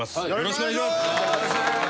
よろしくお願いします。